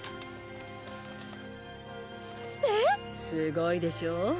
すごいでしょう？